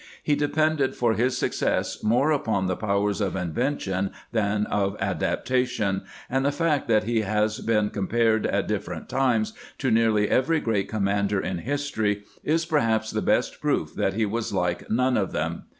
He depended for his success more upon the powers of invention than of adaptation, and the fact that he has been compared at different times to nearly every great commander in history is perhaps the best proof that he was like none of them.